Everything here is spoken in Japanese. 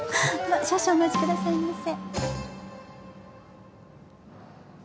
少々お待ち下さいませ。